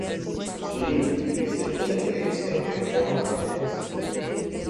Suelen vivir cerca de ríos y arroyos de aguas rápidas.